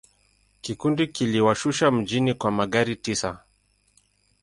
Kikundi kiliwashusha mjini kwa magari tisa.